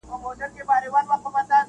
• کله کله به هوا ته هم ختلې -